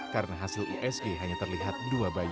karena hasil usg hanya terlihat dua bayi